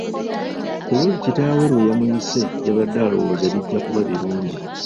Ku luli kitaawe lwe yamuyise yabadde alowooza bijja kuba birungi.